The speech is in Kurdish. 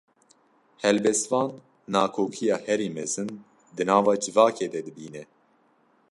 Helbestvan, nakokiya herî mezin, di nava civakê de dibîne